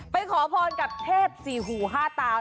ขอพรกับเทพสี่หูห้าตา